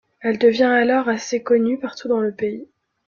Elle devient alors assez connue partout dans le pays.